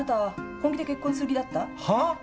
本気で結婚する気だった？はあ！？